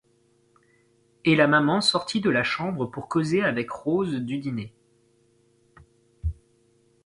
Et la maman sortit de la chambre pour causer avec Rose du dîner.